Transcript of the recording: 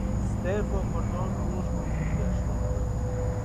Stêrka Kurdan, roj bi roj geştir dibe